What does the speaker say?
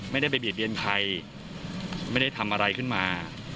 ไม่ได้ไปเบียดเบียนใครไม่ได้ทำอะไรขึ้นมา